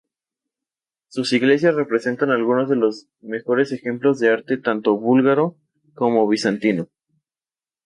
Sus iglesias representan algunos de los mejores ejemplos de arte tanto búlgaro como bizantino.